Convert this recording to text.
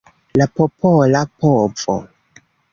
La popola povo.